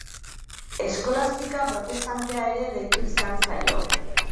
Eskolastika protestantea ere deitu izan zaio.